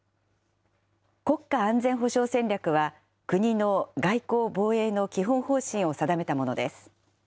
国家安全保障戦略は国の外交・防衛の基本方針を定めたものです。